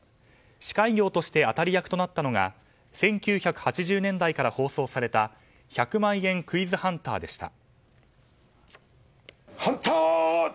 司会業として当たり役となったのが１９８０年代から放送された「１００万円クイズハンター」でした。